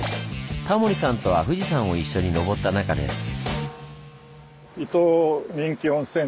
タモリさんとは富士山を一緒に登った仲です。